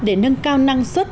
để nâng cao năng suất